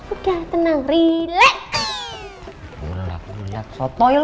udah tenang relax